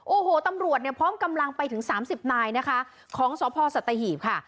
โอ้โหตำรวจเนี่ยพร้อมกำลังไปถึงสามสิบนายนะคะของสพสัตหีบค่ะ